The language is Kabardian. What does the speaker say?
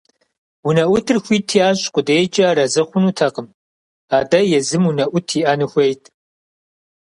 Унэӏутыр хуит ящӏ къудейкӏэ арэзы хъунутэкъым, атӏэ езым унэӏут иӏэну хуейт.